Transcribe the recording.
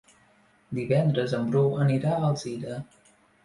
Divendres en Bru anirà a Alzira.